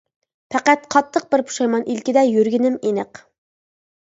پەقەت قاتتىق بىر پۇشايمان ئىلكىدە يۈرگىنىم ئېنىق.